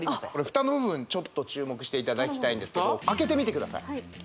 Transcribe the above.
フタの部分ちょっと注目していただきたいんですけど開けてみてください